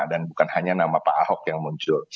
dan bukan hanya nama pak ahok yang muncul